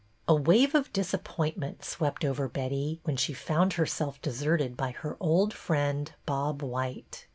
A wave of disappointment swept over Betty when she found herself deserted by her old friend. Bob white.